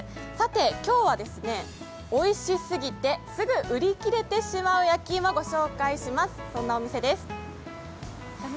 今日はおいしすぎて、すぐ売り切れてしまう焼き芋のお店をご紹介します。